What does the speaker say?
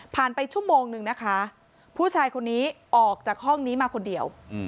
ไปชั่วโมงนึงนะคะผู้ชายคนนี้ออกจากห้องนี้มาคนเดียว